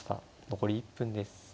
残り１分です。